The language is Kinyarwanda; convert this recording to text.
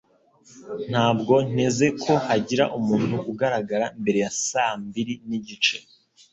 Ntabwo nteze ko hagira umuntu ugaragara mbere ya saa mbiri n'igice